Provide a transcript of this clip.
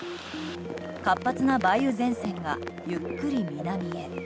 活発な梅雨前線がゆっくり南へ。